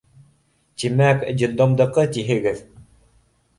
— Тимәк, детдомдыҡы тиһегеҙ.